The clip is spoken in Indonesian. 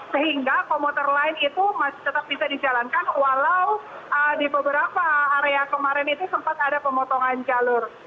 sehingga komuter lain itu masih tetap bisa dijalankan walau di beberapa area kemarin itu sempat ada pemotongan jalur